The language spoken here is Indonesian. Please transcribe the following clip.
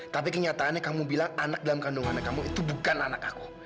tapi kenyataannya kamu bilang anak dalam kandungannya kamu itu bukan anak aku